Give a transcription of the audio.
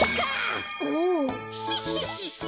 シッシッシッシ。